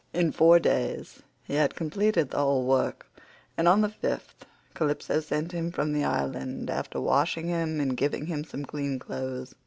In four days he had completed the whole work, and on the fifth Calypso sent him from the island after washing him and giving him some clean clothes.